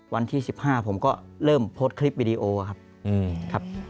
วันที่๑๕ผมก็เริ่มโพสต์คลิปวิดีโอครับ